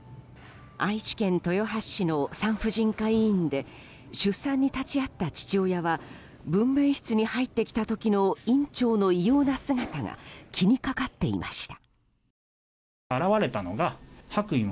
愛知県豊橋市の産婦人科医院で出産に立ち会った父親は分娩室に入ってきた時の院長の異様な姿が気にかかっていました。